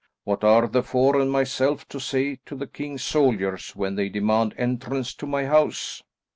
What are the four, and myself, to say to the king's soldiers when they demand entrance to my house?"